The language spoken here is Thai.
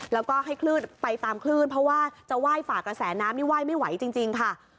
แล้วก็ให้คลื่นไปตามคลื่นเพราะว่าจะไหว้ฝ่ากระแสน้ำนี่ไหว้ไม่ไหวจริงค่ะ